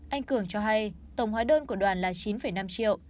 anh cường cho hay tổng hóa đơn của đoàn là chín năm triệu